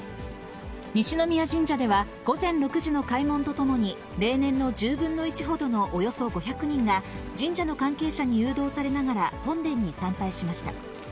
西宮神社では午前６時の開門とともに、例年の１０分の１ほどの、およそ５００人が、神社の関係者に誘導されながら、本殿に参拝しました。